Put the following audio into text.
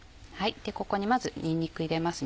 ここにまずにんにく入れますね